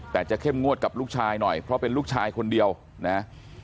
แต่จะเข้มงวดกับลูกชายหน่อยเพราะเป็นลูกชายคนเดียวนะ